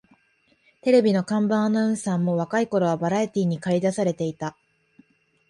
テレビの看板アナウンサーも若い頃はバラエティーにかり出されていた